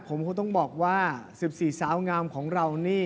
ผมคงต้องบอกว่า๑๔สาวงามของเรานี่